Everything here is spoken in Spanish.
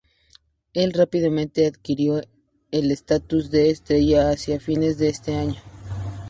El rápidamente adquirió el estatus de estrella hacia fines de ese año.